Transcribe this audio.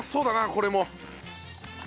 これも。